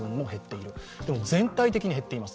でも全体的に減っています。